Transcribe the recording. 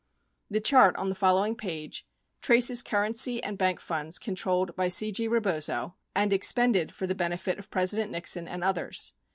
The chart on the following page traces currency and bank funds controlled by C. G. Rebozo and expended for the benefit of President Nixon and others.